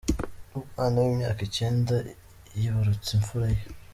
Umwana w’imyaka icyenda yibarutse imfura ye